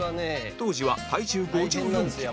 当時は体重５４キロ